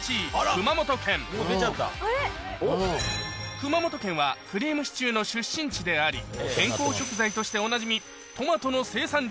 熊本県はくりぃむしちゅーの出身地であり健康食材としておなじみ